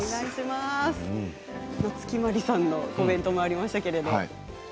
夏木マリさんのコメントがありましたけれど。